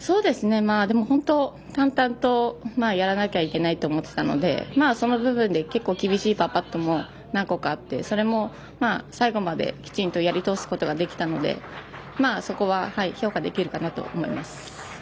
本当、淡々とやらないといけないと思ってたのでその部分で厳しいパーパットも何個かあって、それも最後まできちんとやり通すことができたのでそこは評価できるかなと思います。